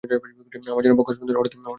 আমার যেন বক্ষঃস্পন্দন হঠাৎ বন্ধ হইয়া গেল।